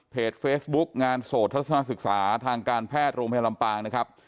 เฟซบุ๊กงานโสดทัศนศึกษาทางการแพทย์โรงพยาบาลลำปางนะครับ